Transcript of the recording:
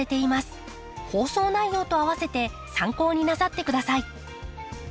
放送内容と併せて参考になさってください。